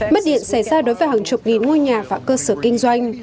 mất điện xảy ra đối với hàng chục nghìn ngôi nhà và cơ sở kinh doanh